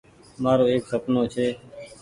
مآرو ايڪ سپنو ڇي۔